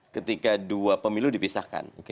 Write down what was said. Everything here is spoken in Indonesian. ketika dua pemilu dipisahkan